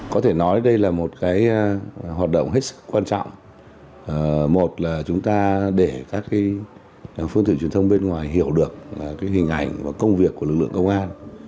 có thể nói đây là một hoạt động hết sức quan trọng một là chúng ta để các phương tiện truyền thông bên ngoài hiểu được hình ảnh và công việc của lực lượng công an